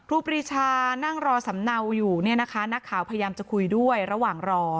รูปรีชานั่งรอสำเนาอยู่เนี่ยนะคะนักข่าวพยายามจะคุยด้วยระหว่างรอ